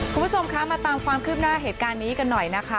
คุณผู้ชมคะมาตามความคืบหน้าเหตุการณ์นี้กันหน่อยนะคะ